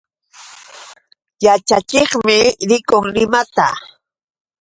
Yaćhachiqmi rikun Limata.